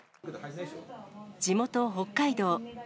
地元、北海道。